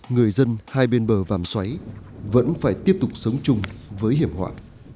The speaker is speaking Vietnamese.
người dân hai bên bờ vàm xoáy vẫn phải tiếp tục sống chung với hiểm họa